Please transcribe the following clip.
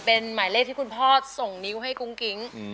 เป็นหมายเลขที่คุณพ่อส่งนิ้วให้กุ้งกิ๊ง